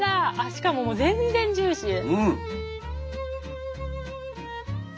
しかももう全然ジューシー。